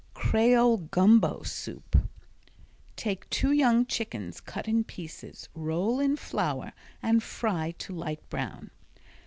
Creole Gumbo Soup Take two young chickens, cut in pieces, roll in flour and fry to light brown.